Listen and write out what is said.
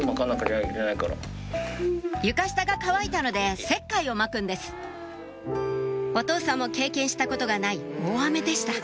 床下が乾いたので石灰をまくんですお父さんも経験したことがない大雨でした